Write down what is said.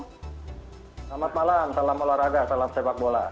selamat malam salam olahraga salam sepak bola